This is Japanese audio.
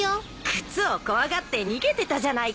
靴を怖がって逃げてたじゃないか。